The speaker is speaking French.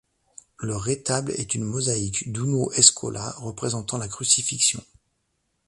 Le retable est une mosaïque d'Uuno Eskola représentant la crucifixion.